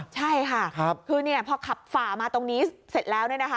ใช่ค่ะคือพอขับฝ่ามาตรงนี้เสร็จแล้ว